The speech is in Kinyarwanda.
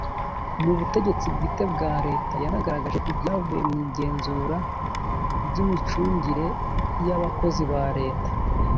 mu butegetsi bwite bwa leta yanagaragaje ibyavuye mu ingenzura ry imicungire y abakozi ba leta